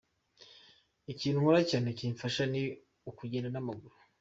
Ikintu nkora cyane kimfasha ni ukugenda n'amaguru.